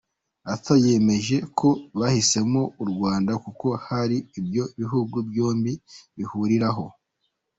Ethuro yemeza ko bahisemo u Rwanda, kuko hari ibyo ibihugu byombi bihuriraho.